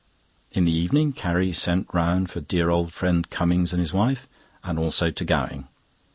In the evening Carrie sent round for dear old friend Cummings and his wife, and also to Gowing.